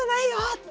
って。